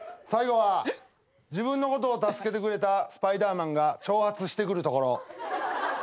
最後は自分のことを助けてくれたスパイダーマンが挑発してくるところ。